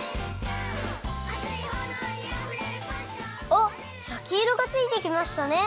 おっやきいろがついてきましたね。